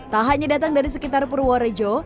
tak hanya datang dari sekitar purworejo